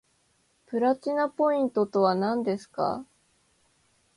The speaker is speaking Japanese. プラチナポイントとはなんですか